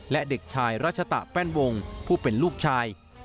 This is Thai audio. และเด็กชายรัชตะแป้นวงผู้เป็นลูกชาย